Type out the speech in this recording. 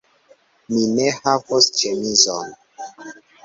Mi ne havos ĉemizon